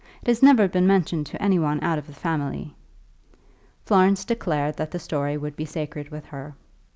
It has never been mentioned to any one out of the family." Florence declared that the story would be sacred with her.